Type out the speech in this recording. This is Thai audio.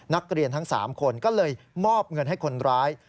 นักเรียนทั้ง๓คนก็เลยมอบเงินให้คนร้าย